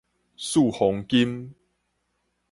四方金